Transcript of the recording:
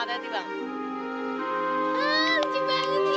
ah lucu banget sih